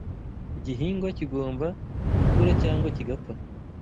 Igihingwa kigomba gukura cyangwa kigapfa